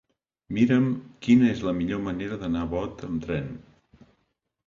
Mira'm quina és la millor manera d'anar a Bot amb tren.